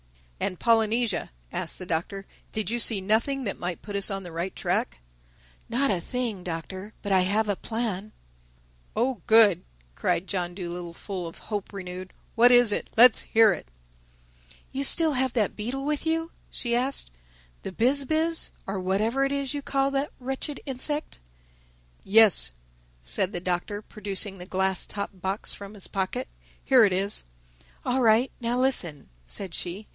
"And Polynesia," asked the Doctor, "did you see nothing that might put us on the right track?" "Not a thing, Doctor—But I have a plan." "Oh good!" cried John Dolittle, full of hope renewed. "What is it? Let's hear it." "You still have that beetle with you," she asked—"the Biz biz, or whatever it is you call the wretched insect?" "Yes," said the Doctor, producing the glass topped box from his pocket, "here it is." "All right. Now listen," said she.